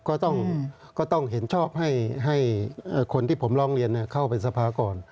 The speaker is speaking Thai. ก็ต้องเห็นชอบให้คนที่ผมร้องเรียนเข้าเป็นสภาก่อน